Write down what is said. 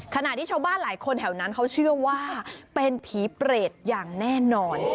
ขณะที่ชาวบ้านหลายคนแถวนั้นเขาเชื่อว่าเป็นผีเปรตอย่างแน่นอน